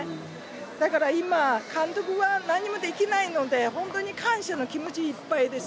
だから今、監督は何もできないので本当に感謝の気持ちでいっぱいです。